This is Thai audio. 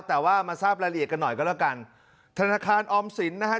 แต่ว่ามาทราบรายละเอียดกันหน่อยก็แล้วกันธนาคารออมสินนะฮะ